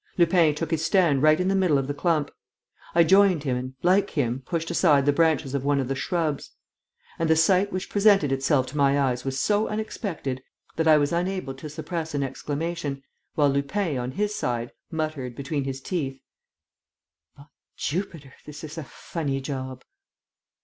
Lupin took his stand right in the middle of the clump. I joined him and, like him, pushed aside the branches of one of the shrubs. And the sight which presented itself to my eyes was so unexpected that I was unable to suppress an exclamation, while Lupin, on his side, muttered, between his teeth: "By Jupiter! This is a funny job!"